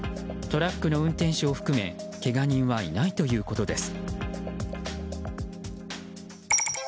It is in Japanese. トラックの運転手を含めけが人はいないということです。